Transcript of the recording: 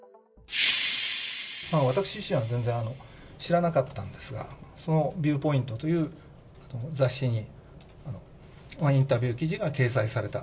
私自身は全然、知らなかったんですが、そのビューポイントという雑誌にインタビュー記事が掲載された。